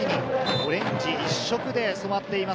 オレンジ一色でそろっています。